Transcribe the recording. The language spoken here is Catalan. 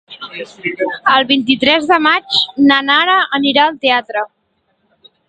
El vint-i-tres de maig na Nara anirà al teatre.